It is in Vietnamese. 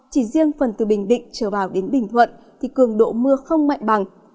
chỉ riêng phần từ bình định trở vào đến bình thuận thì cường độ mưa không mạnh bằng